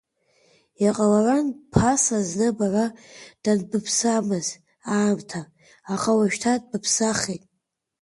Иҟаларын ԥаса зны бара данбыԥсамыз аамҭа, аха уажәшьҭа дбыԥсахеит…